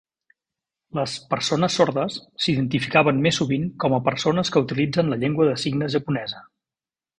Les "persones sordes" s'identificaven més sovint com a "persones que utilitzen la llengua de signes japonesa".